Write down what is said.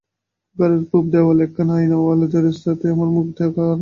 ঘরের পুব-দেওয়ালে একখানা আয়নাওয়ালা দেরাজ, তাতেই তোমারও মুখ দেখা আর আমারও।